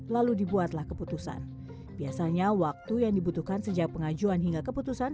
lalu dibuatlah keputusan biasanya waktu yang dibutuhkan sejak pengajuan hingga keputusan